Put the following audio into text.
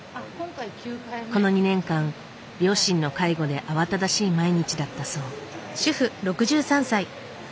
この２年間両親の介護で慌ただしい毎日だったそう。